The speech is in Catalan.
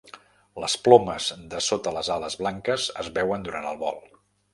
Les plomes de sota les ales blanques es veuen durant el vol.